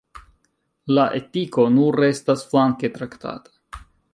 La etiko nur estas flanke traktata.